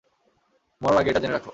মরার আগে এটা জেনে রাখ।